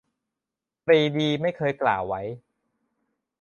- ปรีดีไม่เคยกล่าวไว้